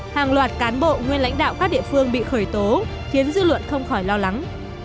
hàng loạt cán bộ nguyên lãnh đạo các địa phương bị khởi tố khiến dư luận không khỏi lo lắng